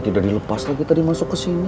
tidak dilepaskan til di masuk ke sini